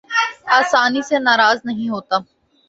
آسانی سے ناراض نہیں ہوتا